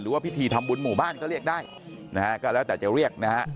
ว่าพิธีทำบุญหมู่บ้านก็เรียกได้นะฮะก็แล้วแต่จะเรียกนะฮะ